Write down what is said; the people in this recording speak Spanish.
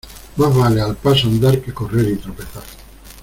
Más vale al paso andar que correr y tropezar.